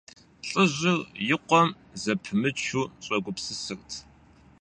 ЛӀыжьыр и къуэм зэпымычу щӀэгупсысырт.